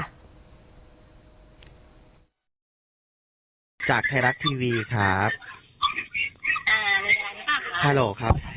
ผมจากฮีละทีวีนะครับ